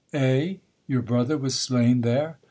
Eh? Your brother was slain there?